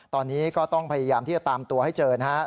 ตอนนี้ก็ต้องพยายามที่จะตามตัวให้เจอนะครับ